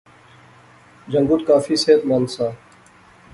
جنگت کافی صحت مند سا